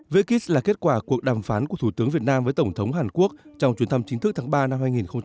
vekis là kết quả cuộc đàm phán của thủ tướng việt nam với tổng thống hàn quốc trong chuyến thăm chính thức tháng ba năm hai nghìn hai mươi